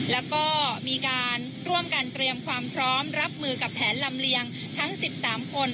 แล้วก็มีการร่วมกันเตรียมความพร้อมรับมือกับแผนลำเลียงทั้ง๑๓คน